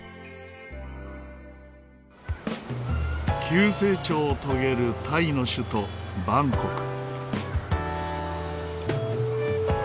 急成長を遂げるタイの首都バンコク。